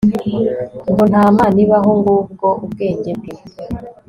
ngo nta mana ibaho! ngubwo ubwenge bwe